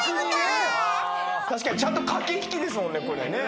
ちゃんと駆け引きですもんねこれね。